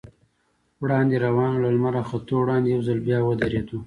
وړاندې روان و، له لمر راختو وړاندې یو ځل بیا ودرېدو.